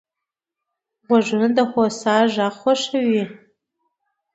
غوږونه د هوسا غږ خوښوي